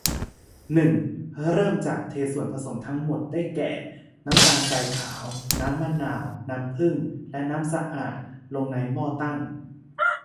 หนึ่ง เริ่มจากเทส่วนผสมทั้งหมด ได้แก่ น้ำตาลทรายขาว น้ำมะนาว น้ำผึ้ง และน้ำสะอาด ลงในหม้อตั้ง